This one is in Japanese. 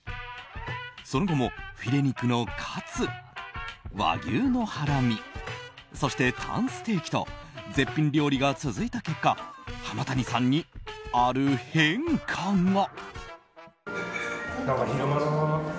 その後も、フィレ肉のカツ和牛のハラミそして、タンステーキと絶品料理が続いた結果浜谷さんに、ある変化が。